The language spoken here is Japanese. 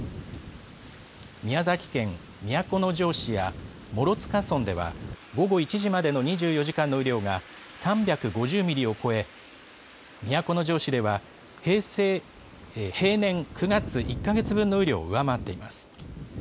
宮崎県都城市や諸塚村では、午後１時までの２４時間の雨量が３５０ミリを超え、都城市では、平年９月１か月分の雨量を上回っています。